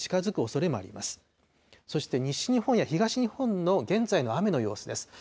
そして西日本や東日本の現在の雨の様子です。